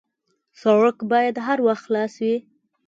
سړک باید هر وخت خلاص وي.